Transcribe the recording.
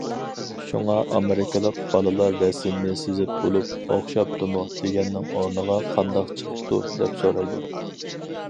شۇڭا ئامېرىكىلىق بالىلار رەسىمنى سىزىپ بولۇپ،« ئوخشاپتىمۇ» دېگەننىڭ ئورنىغا« قانداق چىقىپتۇ» دەپ سورايدۇ.